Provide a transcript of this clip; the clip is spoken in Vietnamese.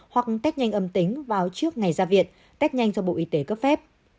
hoặc test nhanh âm tính vào trước ngày ra viện test nhanh do bộ y tế cấp phép